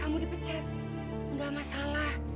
kamu dipecat enggak masalah